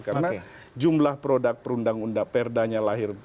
karena jumlah produk perundang undang perdanya lahir